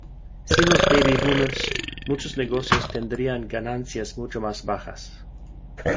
Sin los "baby boomers", muchos negocios tendrían ganancias mucho más bajas.